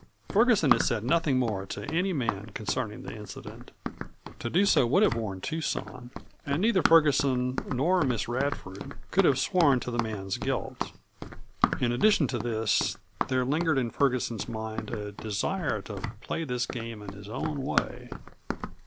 Ferguson had said nothing more to any man concerning the incident. To do so would have warned Tucson. And neither Ferguson nor Miss Radford could have sworn to the man's guilt. In addition to this, there lingered in Ferguson's mind a desire to play this game in his own way.